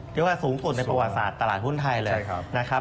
เรียกว่าสูงสุดในประวัติศาสตร์ตลาดหุ้นไทยเลยนะครับ